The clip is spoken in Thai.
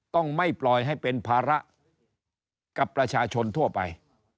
ต้องไม่ปล่อยให้เป็นภาระกับประชาชนทั่วไป